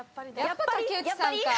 やっぱ竹内さんか。